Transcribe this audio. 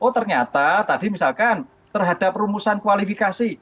oh ternyata tadi misalkan terhadap rumusan kualifikasi